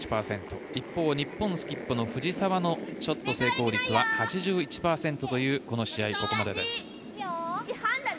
一方、日本スキップの藤澤五月のショット成功率は８１％というこの試合ここまでです。